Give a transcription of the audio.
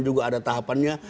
juga ada tahapannya